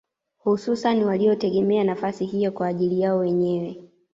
Hususani waliotegemea nafasi hiyo kwa ajili yao wenyewe